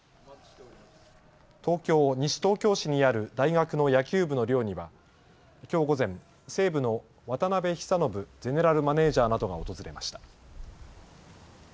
東京西東京市にある大学の野球部の寮にはきょう午前、西武の渡辺久信ゼネラルマネージャーなどが訪れました。